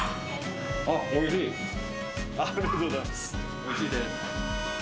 おいしいです。